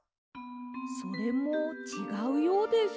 それもちがうようです。